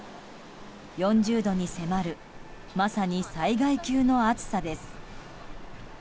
４０度に迫るまさに災害級の暑さです。